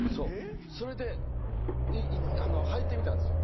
それではいてみたんですよ。